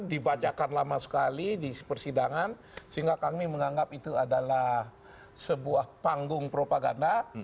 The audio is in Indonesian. dibacakan lama sekali di persidangan sehingga kami menganggap itu adalah sebuah panggung propaganda